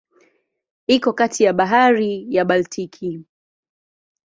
Iko kati ya Bahari ya Baltiki.